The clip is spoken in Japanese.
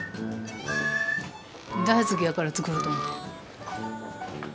大好きやから作ろうと思って。